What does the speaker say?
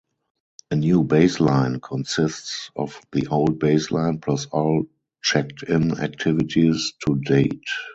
A new "baseline" consists of the old baseline plus all checked-in activities to date.